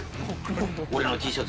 俺のＴシャツ